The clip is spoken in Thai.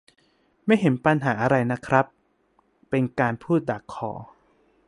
ไม่เห็นปัญหาอะไรนะครับ เป็นการพูดดักคอ